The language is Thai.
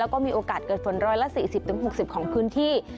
แล้วก็มีโอกาสเกิดฝน๑๔๐๖๐ของพื้นที่